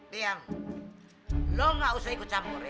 tiang lo nggak usah ikut campur ya